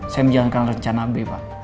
saya menjalankan rencana b pak